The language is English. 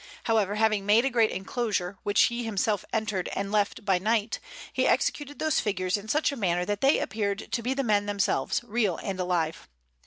However, having made a great enclosure, which he himself entered and left by night, he executed those figures in such a manner that they appeared to be the men themselves, real and alive.